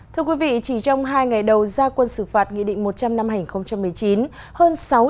thưa quý vị chỉ trong hai ngày đầu gia quân xử phạt nghị định một trăm linh năm hai nghìn một mươi chín